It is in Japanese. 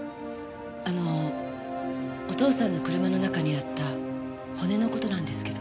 あのお父さんの車の中にあった骨の事なんですけど。